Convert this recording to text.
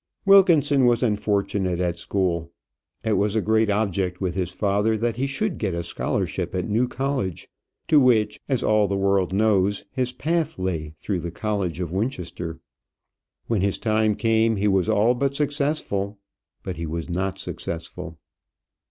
Wilkinson was unfortunate at school. It was a great object with his father that he should get a scholarship at New College, to which, as all the world knows, his path lay through the college of Winchester. When his time came, he was all but successful but he was not successful.